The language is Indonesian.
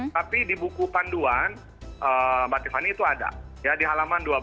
tapi di buku panduan mbak tiffany itu ada ya di halaman dua belas